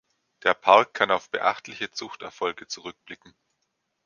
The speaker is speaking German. Der Park kann auf beachtliche Zuchterfolge zurückblicken.